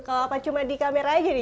kalau apa cuma di kamera aja nih